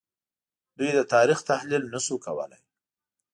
دوی د تاریخ تحلیل نه شو کولای